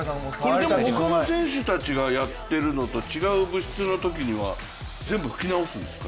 他の選手たちがやっているのと違う物質の時には全部拭き直すんですか？